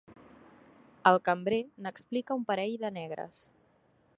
El cambrer n'explica un parell de negres.